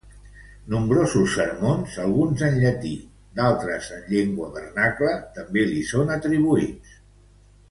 Nombrosos sermons, alguns en llatí, d'altres en llengua vernacla, també li són atribuïts.